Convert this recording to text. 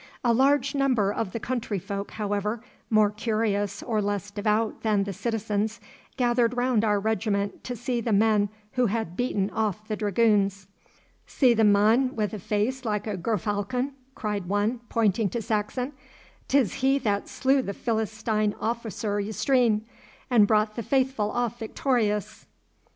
A large number of the countryfolk, however, more curious or less devout than the citizens, gathered round our regiment to see the men who had beaten off the dragoons. 'See the mon wi' a face like a gerfalcon,' cried one, pointing to Saxon; ''tis he that slew the Philistine officer yestreen, an' brought the faithful off victorious.